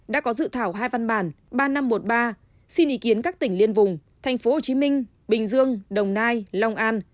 đã có dự thảo hai văn bản ba nghìn năm trăm một mươi ba xin ý kiến các tỉnh liên vùng tp hcm bình dương đồng nai long an